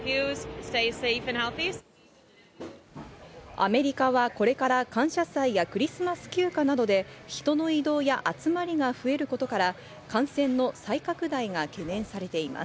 アメリカはこれから感謝祭やクリスマス休暇などで人の移動や集まりが増えることから、感染の再拡大が懸念されています。